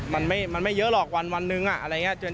มันไม่เยอะหรอกวันนึงอะไรอย่างนี้